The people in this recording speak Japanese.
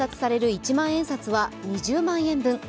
一万円札は２０万円分。